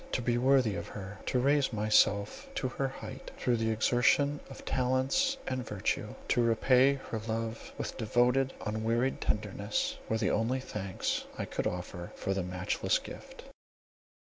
To be worthy of her, to raise myself to her height through the exertion of talents and virtue, to repay her love with devoted, unwearied tenderness, were the only thanks I could offer for the matchless gift.